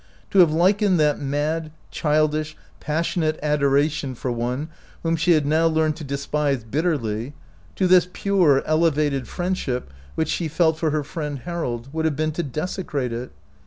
To have likened that mad, childish, passion 5 65 OUT OF BOHEMIA ate adoration for one whom she had now learned to despise bitterly, to this pure, elevated friendship which she felt for her friend Harold, would have been to desecrate it.